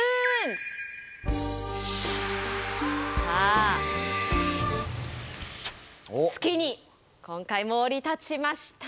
さあ月に今回も降り立ちました。